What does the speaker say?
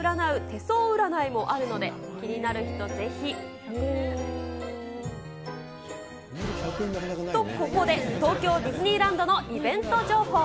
手相占いもあるので、気になる人、ぜひ。と、ここで、東京ディズニーランドのイベント情報。